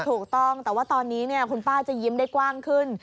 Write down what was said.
ถูกต้องแต่ว่าตอนนี้คุณป้าจะยิ้มได้กว้างขึ้น